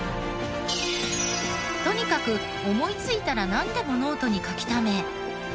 とにかく思いついたらなんでもノートに書きため。